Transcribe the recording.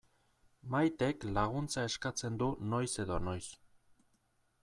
Maitek laguntza eskatzen du noiz edo noiz.